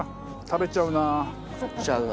食っちゃうな。